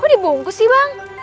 kok dibungkus sih bang